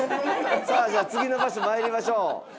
さあじゃあ次の場所参りましょう。